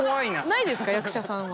ないですか役者さんは。